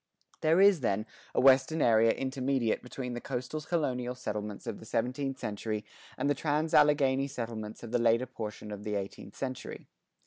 There is, then, a western area intermediate between the coastal colonial settlements of the seventeenth century and the trans Alleghany settlements of the latter portion of the eighteenth century.